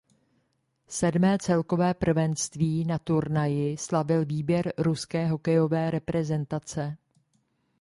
Sedmé celkové prvenství na turnaji slavil výběr ruské hokejová reprezentace.